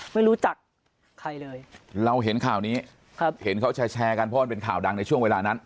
ไม่รู้จักใครเลยเราเห็นข่าวนี้ครับเห็นเขาแชร์กันเพราะมันเป็นข่าวดังในช่วงเวลานั้น